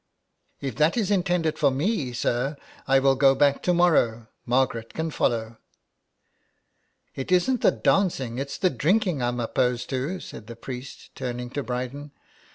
''" If that is intended for me, sir, I will go back to morrow. Margaret can follow." '' It isn't the dancing, it's the drinking I'm opposed to," said the priest, turning to Bryden.